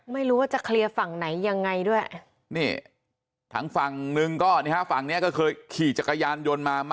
ไม่รู้ว่าจะเคลียร์ฝั่งไหนยังไงด้วย